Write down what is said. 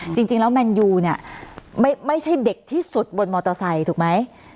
จริงแล้วแมนยูเนี่ยไม่ใช่เด็กที่สุดบนมอเตอร์ไซค์ถูกไหม